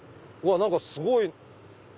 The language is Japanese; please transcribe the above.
何かすごい！